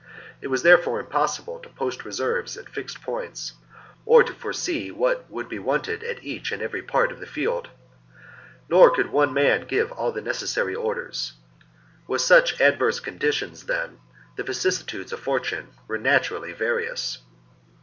It was therefore impossible to post reserves at fixed points, or to foresee what would be wanted at each and every part of the field ; nor could one man give all the necessary orders. With such adverse conditions, then, the vicissitudes of fortune were naturally various.